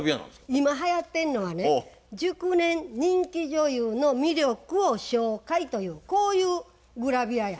今はやってんのはね「熟年人気女優の魅力を紹介」というこういうグラビアや。